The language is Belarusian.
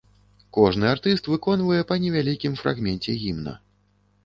Кожны артыст выконвае па невялікім фрагменце гімна.